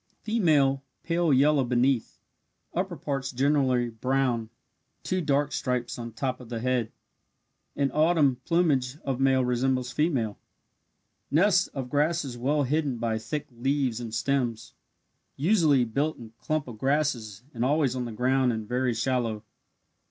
Female pale yellow beneath upper parts generally brown two dark stripes on top of the head. In autumn plumage of male resembles female. Nest of grasses well hidden by thick leaves and stems. Usually built in clump of grasses and always on the ground and very shallow.